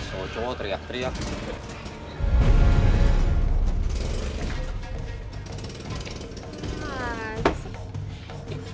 soal cowok teriak teriak